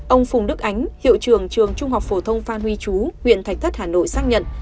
ông phùng đức ánh hiệu trường trường trung học phổ thông phan huy chú huyện thạch thất hà nội xác nhận